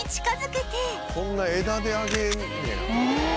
「こんな枝であげんねや」